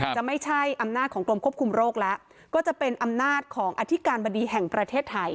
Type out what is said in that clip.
จะไม่ใช่อำนาจของกรมควบคุมโรคแล้วก็จะเป็นอำนาจของอธิการบดีแห่งประเทศไทย